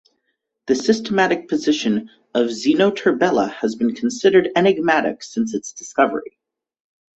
The systematic position of "Xenoturbella" has been considered enigmatic since its discovery.